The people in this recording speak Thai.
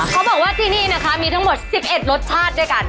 เขาบอกว่าที่นี่นะคะมีทั้งหมด๑๑รสชาติด้วยกัน